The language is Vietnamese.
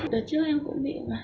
đợt trước em cũng bị mà